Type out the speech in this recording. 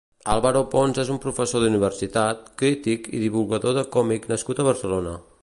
Álvaro Pons és un professor d'universitat, crític i divulgador de còmic nascut a Barcelona.